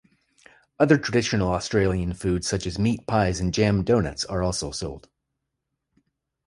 Other traditional Australian foods such as meat pies and jam donuts are also sold.